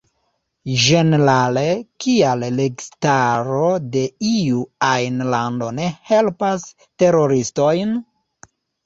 Ĝenerale, kial registaro de iu ajn lando ne helpas teroristojn?